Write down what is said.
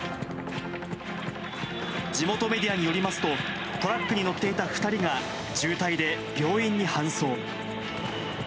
地元メディアによりますと、トラックに乗っていた２人が重体で病院に搬送。